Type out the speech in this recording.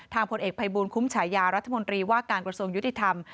ผลเอกภัยบูลคุ้มฉายารัฐมนตรีว่าการกระทรวงยุติธรรม